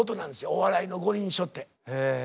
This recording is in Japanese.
お笑いの五輪書って。